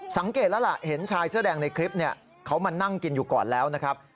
สังเกตแล้วล่ะเห็นชายเสื้อแดงในคลิปเขามานั่งกินอยู่ก่อนแล้วนะครับ